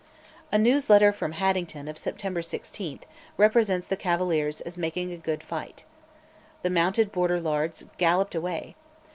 A news letter from Haddington, of September 16, represents the Cavaliers as making a good fight. The mounted Border lairds galloped away.